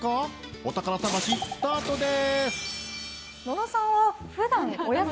お宝探しスタートです。